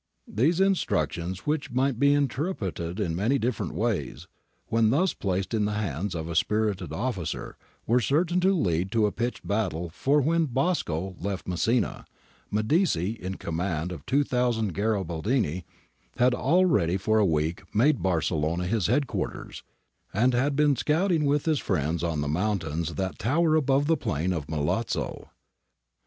^ These instructions, which might be inter preted in many different ways, when thus placed in the hands of a spirited officer, were certain to lead to a pitched battle for when Bosco left Messina, Medici, in command of 2000 Garibaldini, had already for a week made Barcel lona his head quarters, and had been scouting with his friends on the mountains that tower above the plain of Milazzo.